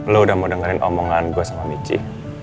lo udah mau dengerin omongan gue sama michi